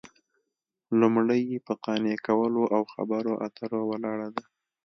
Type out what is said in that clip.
لومړۍ یې په قانع کولو او خبرو اترو ولاړه ده